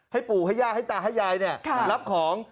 ปู่ให้ย่าให้ตาให้ยายรับของ